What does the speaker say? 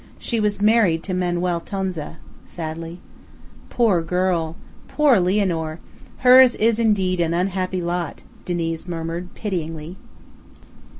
She was married to Manuel Tonza," sadly. "Poor girl! Poor Lianor! Hers is indeed an unhappy lot!" Diniz murmured pityingly.